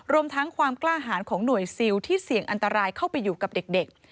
รวมทั้งความกล้าหารของหน่วยซิลที่เสี่ยงอันตรายเข้าไปอยู่กับเด็ก